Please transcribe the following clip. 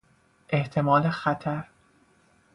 احتمال خطر